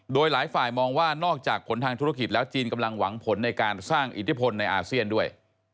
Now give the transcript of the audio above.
โดยหลายฝ่ายมองว่านอกจากผลทางธุรกิจแล้วจีนกำลังหวังผลในการสร้างอิทธิพลในอาเซียนด้วย